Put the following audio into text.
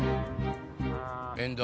遠藤！